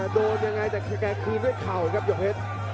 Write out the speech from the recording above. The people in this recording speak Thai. โดนยังไงแต่แกคืนด้วยเข่าครับหยกเพชร